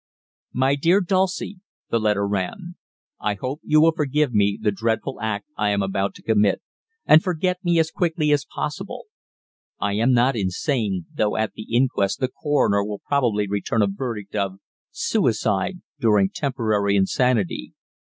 "My dear Dulcie," the letter ran, "I hope you will forgive the dreadful act I am about to commit, and forget me as quickly as possible. I am not insane, though at the inquest the coroner will probably return a verdict of 'Suicide during temporary insanity.'